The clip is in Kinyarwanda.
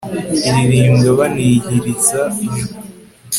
iririmbwa banihiriza ijwi